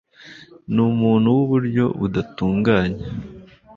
Ni umuntu wuburyo butandukanye.